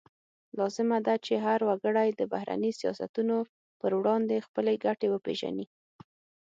لازمه ده چې هر وګړی د بهرني سیاستونو پر وړاندې خپلې ګټې وپیژني